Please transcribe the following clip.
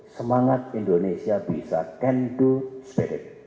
semangat indonesia bisa can do spirit